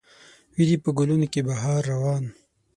وي دې په ګلونو کې بهار روان